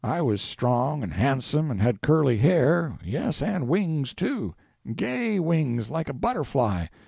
I was strong, and handsome, and had curly hair,—yes, and wings, too!—gay wings like a butterfly.